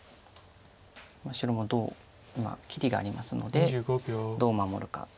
白も今切りがありますのでどう守るか。